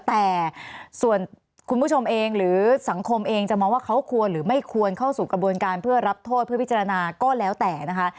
แต่ส่วนคุณผู้ชมเองหรือสังคมเองจะมองว่าเขาควรหรือไม่ควรเข้าสู่กระบวนการเพื่อรับโทษเพื่อพิจารณาก็แล้วแต่นะคะ